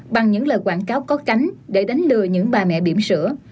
bằng những lời quảng cáo có cánh để đánh lừa những bà mẹ bìm sữa